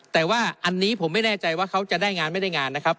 แต่ว่าอันนี้ผมไม่แน่ใจว่าเขาจะได้งานไม่ได้งานนะครับ